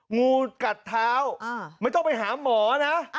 งูกัดเท้าไม่ต้องไปหาหมอนะ